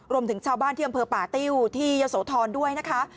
รวมถึงชาวบ้านที่อำเภอป่าติ้วที่ยะโสธรด้วยนะคะ